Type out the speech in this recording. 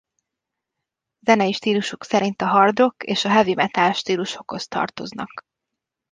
Zenei stílusuk szerint a hard rock és a heavy metal stílusokhoz tartoznak.